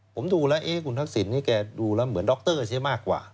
ผมดูแล้วเอ๊ะคุณทักษิณนี่แกดูแล้วเหมือนด็อกเตอร์ใช่มากกว่า